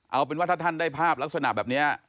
เอาเป็นว่าถ้าท่านได้ภาพลักษณะแบบนี้